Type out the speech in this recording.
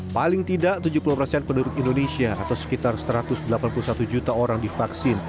paling tidak tujuh puluh persen penduduk indonesia atau sekitar satu ratus delapan puluh satu juta orang divaksin